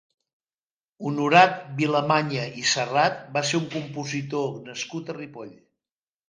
Honorat Vilamanyà i Serrat va ser un compositor nascut a Ripoll.